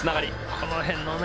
この辺のね。